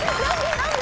何で？